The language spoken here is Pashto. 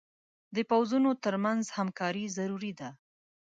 د پوځونو تر منځ همکاري ضروري ده.